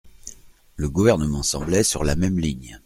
Le Gouvernement semblait sur la même ligne.